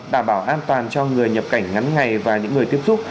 đảm bảo an toàn cho người nhập cảnh ngắn ngày và những người tiếp xúc